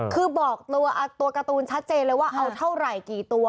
คือบอกตัวการ์ตูนชัดเจนเลยว่าเอาเท่าไหร่กี่ตัว